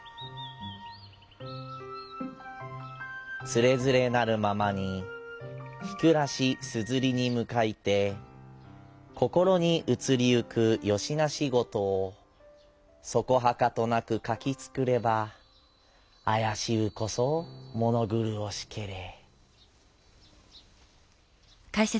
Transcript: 「つれづれなるままに日くらし硯にむかひて心にうつりゆくよしなし事をそこはかとなく書きつくればあやしうこそものぐるほしけれ」。